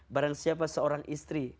barang siapa seorang istri